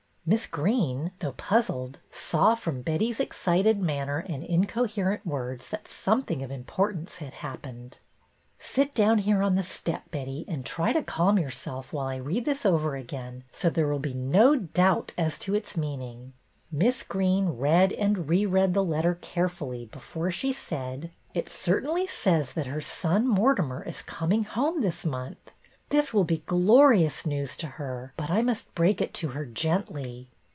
Miss Greene, though puzzled, saw from Betty's excited manner and incoherent words that something of importance had happened. " Sit down here on the step, Betty, and try to calm yourself while I read this over again so there will be no doubt as to its meaning." return of the mariner 231 Miss Greene read and re read the letter carefully before she said, —" It certainly says that her son Mortimer is coming home this month. This will be glorious news to her, but I must break it to her gently."